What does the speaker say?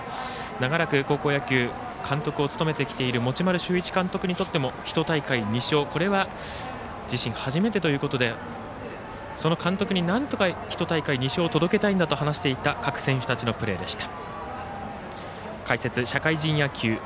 長らく高校野球監督を務めてきている持丸修一監督にとってもひと大会２勝これは自身初めてということでその監督になんとか、ひと大会２勝を届けたいんだと話していた各選手のプレーでした。